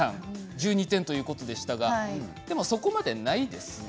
１２点ということでしたがそこまでないですよね？